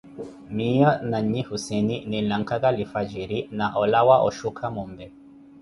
Miyo na nyi Husseene, linlakaga lifwajiri, na olawa oshuka mombe.